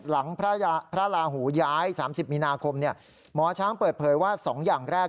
หลังพระลาหูย้าย๓๐มีนาคมหมอช้างเปิดเผยว่า๒อย่างแรก